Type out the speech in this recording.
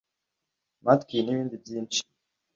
’Matwi ‘n’ibindi byinshi